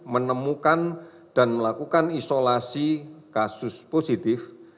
menemukan dan melakukan isolasi kasus positif